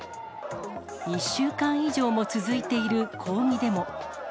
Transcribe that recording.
１週間以上も続いている抗議デモ。